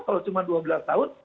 kalau cuma dua belas tahun